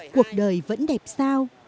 cuộc đời vẫn đẹp sao